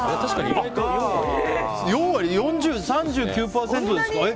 ４割、３９％ですか。